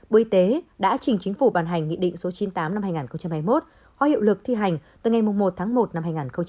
bộ y tế đã trình chính phủ bàn hành nghị định số chín mươi tám năm hai nghìn hai mươi một có hiệu lực thi hành từ ngày một tháng một năm hai nghìn hai mươi